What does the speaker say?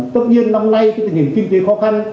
tất nhiên năm nay tình hình kinh tế khó khăn